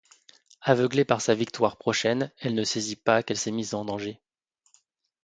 Aveuglée par sa victoire prochaine, elle ne saisit pas qu'elle s'est mise en danger.